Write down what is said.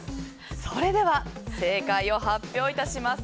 それでは正解を発表します。